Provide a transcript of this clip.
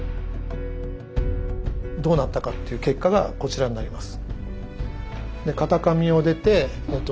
どうなったのかという結果がこちらになります。